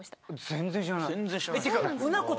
全然知らないっす。